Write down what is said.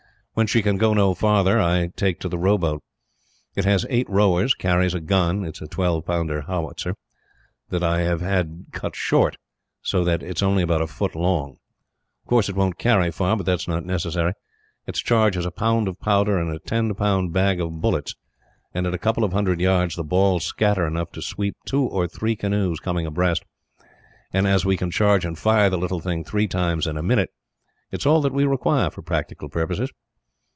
When she can go no further, I take to the rowboat. It has eight rowers, carries a gun it is a twelve pounder howitzer that I have had cut short, so that it is only about a foot long. Of course it won't carry far, but that is not necessary. Its charge is a pound of powder and a ten pound bag of bullets and, at a couple of hundred yards, the balls scatter enough to sweep two or three canoes coming abreast and, as we can charge and fire the little thing three times in a minute, it is all that we require, for practical purposes.